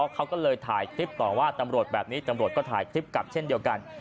เขาก็เลยถ่ายคลิปต่อว่าตำรวจแบบนี้ตำรวจก็ถ่ายคลิปกลับเช่นเดียวกัน